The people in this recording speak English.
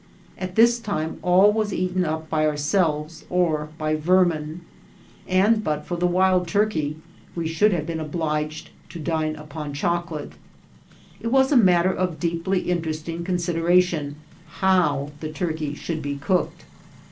At this time all wa* eaten up by ourseWes or by yermin ; and, but for the wild turkey, we should have been obliged to dine upon choookte. It was a matter of deeply^intereating eon* sideration how the turkey should be cooked.